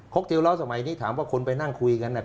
คอคเทลเลาส์สมัยนี้ถามว่าคนไปนั่งคุยกันนะ